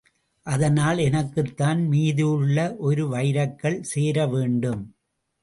அதனால் எனக்குத்தான் மீதியுள்ள ஒரு வைரக்கல் சேர வேண்டும்!